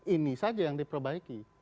ini saja yang diperbaiki